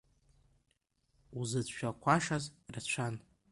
Узыцәшәақәашаз рацәан.